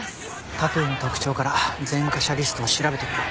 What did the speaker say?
タトゥーの特徴から前科者リストを調べてみよう。